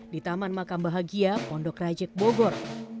di taman makam bahagia pondok rajek bogor